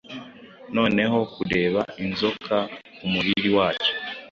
Noneho kureba Inzoka kumuriri wacyo.